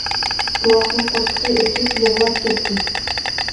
بوۋاقنىڭ قورسىقى ئېچىپ يىغلاپ كەتتى.